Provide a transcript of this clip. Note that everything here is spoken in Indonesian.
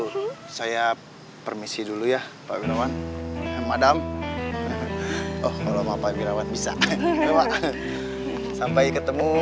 dulu saya permisi dulu ya pak gunawan madam oh kalau mau pak wirawan bisa sampai ketemu